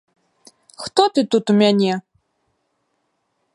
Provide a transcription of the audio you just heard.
Хто ты тут у мяне?